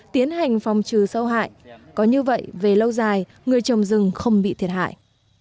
tiến hành phòng trừ sâu hại có như vậy về lâu dài người trồng rừng không bị thiệt hại